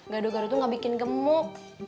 gado gado itu gak bikin gemuk